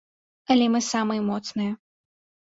Але мы самыя моцныя.